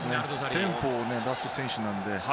テンポを出す選手なので。